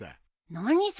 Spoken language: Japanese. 何それ。